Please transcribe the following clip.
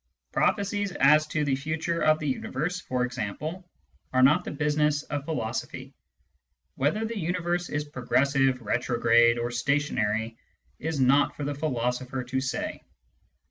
Prophecies as to the future of the universe, for example, are not the business of philosophy ; whether the universe is progressive, retrograde, or stationary, it is not for the philosopher to say.